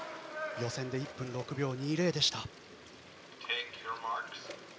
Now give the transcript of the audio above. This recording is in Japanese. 予選で１分６秒２０でした。